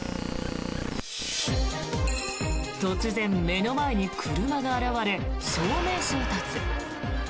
突然、目の前に車が現れ正面衝突。